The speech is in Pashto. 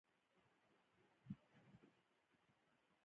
په خپل انتخاب باندې هېڅکله ویاړ مه کوه.